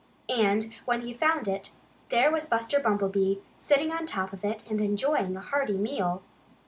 And when he found it, there was Buster Bumblebee, sitting on top of it and enjoying a hearty meal.